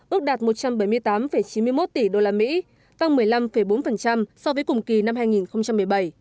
ước đạt một trăm bảy mươi tám chín mươi một tỷ đô la mỹ tăng một mươi năm bốn so với cùng kỳ năm hai nghìn một mươi bảy